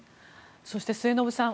そして、末延さん